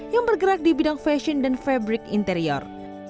yang bergerak di bidang fashion dan fabric interior